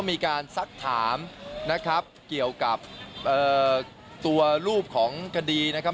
มีการซักถามนะครับเกี่ยวกับตัวรูปของคดีนะครับ